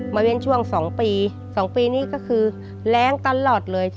เว้นช่วง๒ปี๒ปีนี้ก็คือแรงตลอดเลย